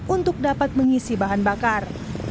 untuk dapat mengisi bahan bakar